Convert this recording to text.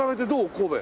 神戸。